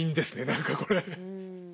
何かこれ。